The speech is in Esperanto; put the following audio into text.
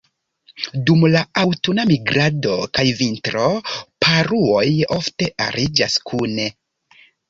Dum la aŭtuna migrado kaj vintro, paruoj ofte ariĝas kune.